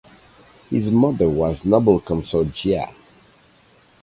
His mother was Noble Consort Jia.